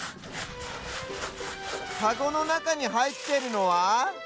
カゴのなかにはいってるのは？